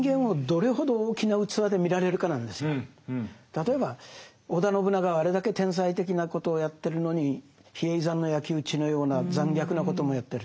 例えば織田信長はあれだけ天才的なことをやってるのに比叡山の焼き討ちのような残虐なこともやってる。